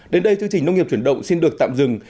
đến đây chương trình nông nghiệp chuyển động xin được tạm dừng